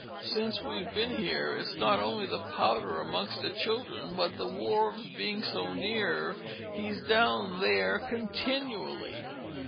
Since we've bin here its not only the powder amongst the Children but the wharfes being so neare he's down there continually.